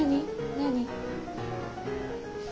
何？